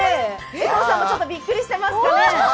江藤さんもちょっとびっくりしてますかね。